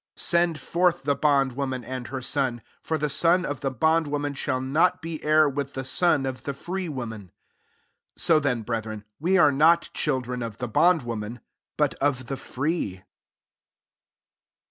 "Send forth the bond worn an and her son : for the son of the bond woman shall not be heir with the son of the free woman." 31 [So Mew,] brethren, we are not children of the bond woman, but of the free.